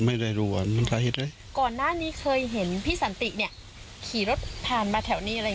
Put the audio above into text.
มาแถวนี้อะไรอย่างนี้ไหมคะ